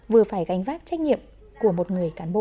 vừa phải gánh vác trách nhiệm của một người cán bộ